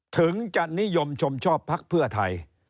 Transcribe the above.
ถึงจะนิยมชมชอบพักเพื่อไทย